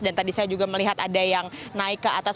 dan tadi saya juga melihat ada yang naik ke atas